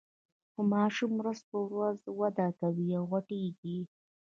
خو ماشوم ورځ په ورځ وده کوي او غټیږي.